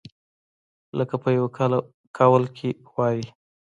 لکه يو قول کښې وائي ۔